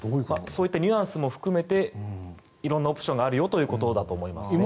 そういったニュアンスも含めて色んなオプションがあるよということだと思いますね。